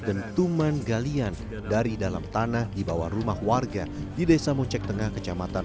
dentuman galian dari dalam tanah di bawah rumah warga di desa moncek tengah kecamatan